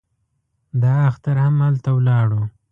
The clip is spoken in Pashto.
دا اختر هم هلته ولاړو.